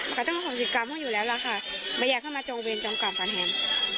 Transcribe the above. มันก็ต้องมีความสิทธิ์กรรมเขาอยู่แล้วอ่ะค่ะไม่อยากให้เขามาจงเวรจงกรรมกันแทน